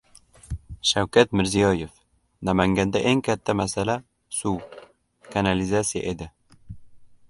Shavkat Mirziyoyev: "Namanganda eng katta masala suv, kanalizasiya edi"